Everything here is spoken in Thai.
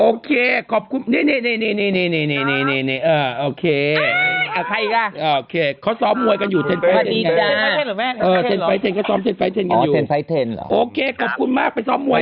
โอเคกรอบคุณมากไปซอบมวย